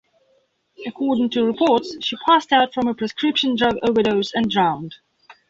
According to reports, she passed out from a prescription drug overdose and drowned.